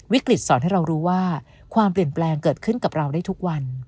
สอนให้เรารู้ว่าความเปลี่ยนแปลงเกิดขึ้นกับเราได้ทุกวัน